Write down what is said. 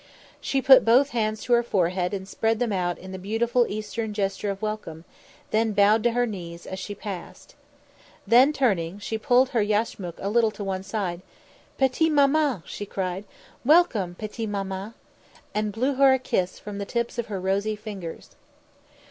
She put both hands to her forehead and spread them out in the beautiful Eastern gesture of welcome, then bowed to her knees, as she passed. Then, turning, she pulled her yashmak a little to one side. "Petite Maman!" she cried. "Welcome, Petite Maman!" and blew her a kiss from the tips of her rosy fingers.